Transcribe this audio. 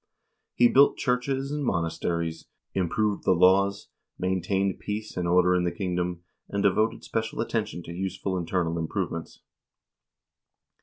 He built churches and monasteries, improved the laws, maintained peace and order in the kingdom, and devoted special attention to useful internal improvements.